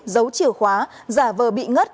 giấu chìa khóa giả vờ bị ngất